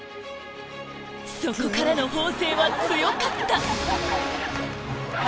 そこからの方正は強かった！